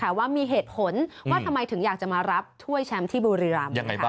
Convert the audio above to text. ว่ามีเหตุผลว่าทำไมถึงอยากจะมารับถ้วยแชมป์ที่บุรีรำ